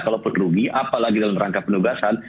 kalaupun rugi apalagi dalam rangka penugasan